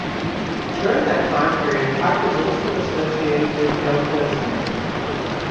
During that time period, Pyke was also associated with Del Close.